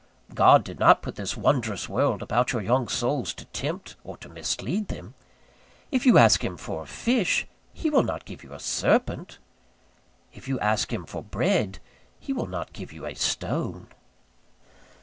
God did not put this wondrous world about your young souls to tempt or to mislead them. If you ask Him for a fish, he will not give you a serpent. If you ask Him for bread, He will not give you a stone.